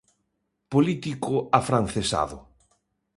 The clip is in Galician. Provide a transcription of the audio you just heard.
Político afrancesado.